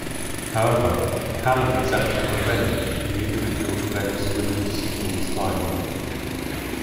However, Hallam exacted revenge in the individual events women's singles final.